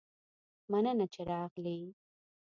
مننه چې راغلي